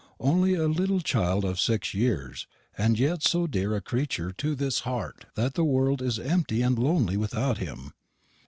onlie a littel childe of 6 yeres, and yett so dere a creetur to this harte that the worlde is emty and lonely without him.